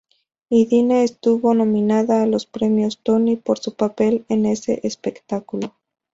Idina estuvo nominada a los Premios Tony por su papel en ese espectáculo.